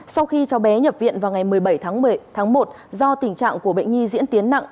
sau khi cháu bé nhập viện vào ngày một mươi bảy tháng một do tình trạng của bệnh nhi diễn tiến nặng